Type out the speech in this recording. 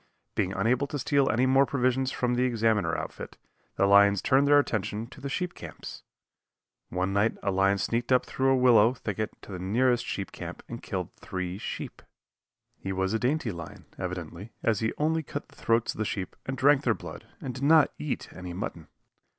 Being unable to steal any more provisions from the Examiner outfit, the lions turned their attention to the sheep camps. One night a lion sneaked up through a willow thicket to the nearest sheep camp and killed three sheep. He was a dainty lion, evidently, as he only cut the throats of the sheep and drank their blood and did not eat any mutton.